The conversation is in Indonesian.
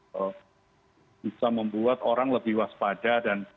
bisa membuat orang lebih waspada dan